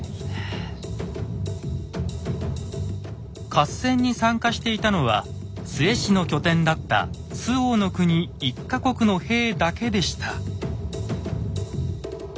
合戦に参加していたのは陶氏の拠点だった周防国１か国の兵だけでした。